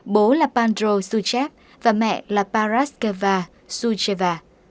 bố là pandro sucev và mẹ là paraskeva suceva